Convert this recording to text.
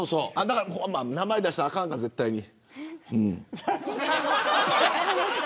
名前出したらあかんか絶対に。